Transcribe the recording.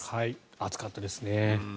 暑かったですね。